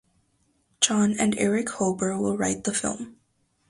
Jon and Erich Hoeber will write the film.